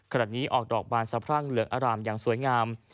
ขณะนี้ออกดอกบานสะพรั่งเหลืองอร่ามอย่างสวยงาม